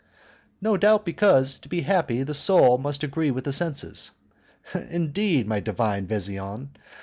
"No doubt because, to be happy, the soul must agree with the senses." "Indeed, my divine Vesian?